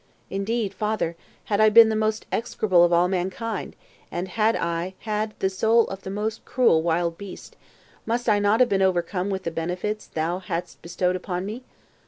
Indeed, father, had I been the most execrable of all mankind, and had I had the soul of the most cruel wild beast, must I not have been overcome with the benefits thou hadst bestowed upon me?